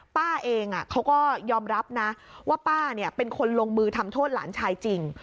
ป้าเองเขาก็ยอมรับนะว่าป้าเป็นคนลงมือทำโทษหลานชายจริง